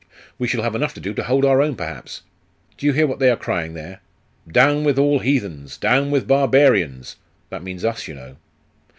'We shall have enough to do to hold our own, perhaps. Do you hear what they are crying there? "Down with all heathens! Down with barbarians!" That means us, you know.